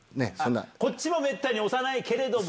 こっちもめったに押さないけれども。